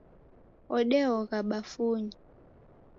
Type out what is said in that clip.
Odeogha bafunyi.